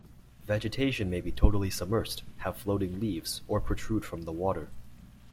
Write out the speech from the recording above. Vegetation may be totally submersed, have floating leaves, or protrude from the water.